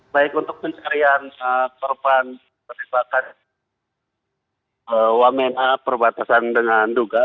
baik untuk pencarian korban persisakan wamenah perbatasan dengan duga